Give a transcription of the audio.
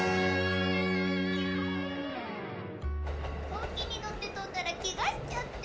ほうきに乗って飛んだらケガしちゃって。